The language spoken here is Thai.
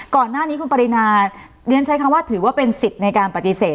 ก่อนหน้านี้คุณปรินาเรียนใช้คำว่าถือว่าเป็นสิทธิ์ในการปฏิเสธ